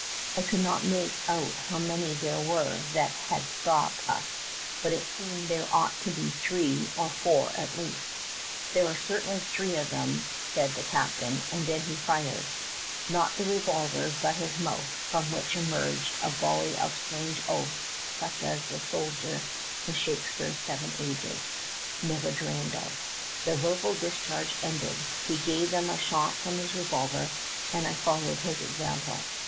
I could not make out how many there were that had stopped us, but it seemed that there ought to be three or four at least. "There are certainly three of them," said the captain, and then he fired, not the revolver but his mouth, from which emerged a volley of strange oaths such as the soldier in Shakespeare's "Seven Ages" never dreamed of. The verbal discharge ended, he gave them a shot from his revolver, and I followed his example.